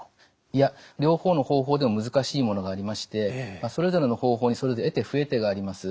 いや両方の方法でも難しいものがありましてそれぞれの方法にそれぞれ得手不得手があります。